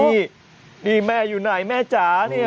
นี่นี่แม่อยู่ไหนแม่จ๋าเนี่ย